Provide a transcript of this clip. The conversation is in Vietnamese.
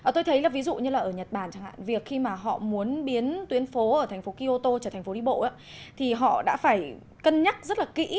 tôi thấy là ví dụ như là ở nhật bản chẳng hạn việc khi mà họ muốn biến tuyến phố ở thành phố kyoto trở thành phố đi bộ thì họ đã phải cân nhắc rất là kỹ